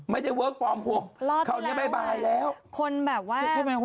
มีงานทุกคนรู้สึก